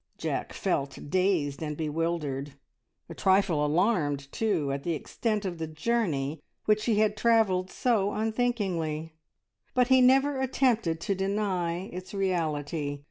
Jack felt dazed and bewildered, a trifle alarmed, too, at the extent of the journey which he had travelled so unthinkingly, but he never attempted to deny its reality.